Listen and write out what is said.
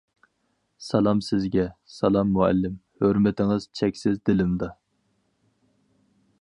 سالام سىزگە، سالام مۇئەللىم، ھۆرمىتىڭىز چەكسىز دىلىمدا.